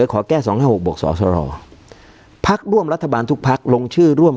การแสดงความคิดเห็น